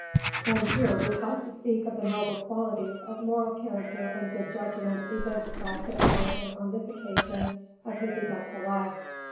And here we pause to speak of the noble qualities of moral character and good judgment evinced by Kit Carson on this occasion of his eventful life.